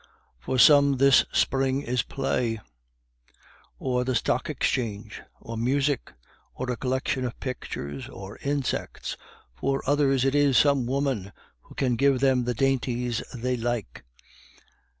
For some this spring is play, or the stock exchange, or music, or a collection of pictures or insects; for others it is some woman who can give them the dainties they like.